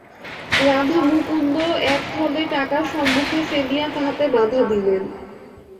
রাধামুকুন্দ এক থলে টাকা সম্মুখে ফেলিয়া তাহাতে বাধা দিলেন।